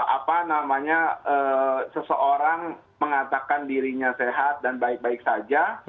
apa namanya seseorang mengatakan dirinya sehat dan baik baik saja